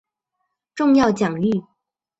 重要奖誉